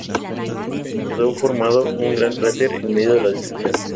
Quedó formado un gran cráter, en medio de la destrucción.